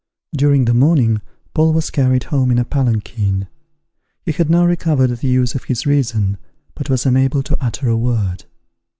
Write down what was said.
During the morning Paul was carried home in a palanquin. He had now recovered the use of his reason, but was unable to utter a word.